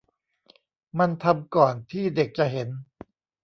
มันทำก่อนที่เด็กจะเห็น